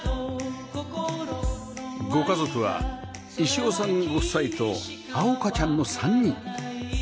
ご家族は石尾さんご夫妻と碧海ちゃんの３人